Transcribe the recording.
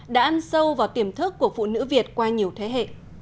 đã ăn sâu vào tiềm thức của phụ nữ việt qua nhiều thế hệ